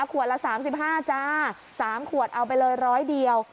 ขวดละ๓๕จ้า๓ขวดเอาไปเลยร้อยเดียว